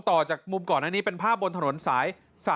ต่อจากมุมก่อนอันนี้เป็นภาพบนถนนสาย๓๔